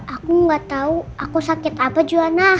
aku gak tau aku sakit apa juana